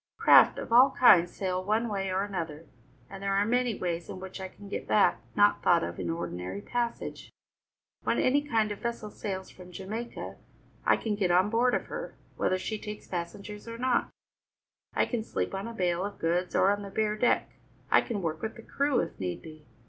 Craft of all kinds sail one way or another, and there are many ways in which I can get back not thought of in ordinary passage. When any kind of a vessel sails from Jamaica, I can get on board of her, whether she takes passengers or not. I can sleep on a bale of goods or on the bare deck; I can work with the crew, if need be.